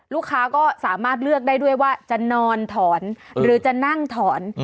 ลูกค้าก็สามารถเลือกได้ด้วยว่าจะนอนถอนหรือจะนั่งถอน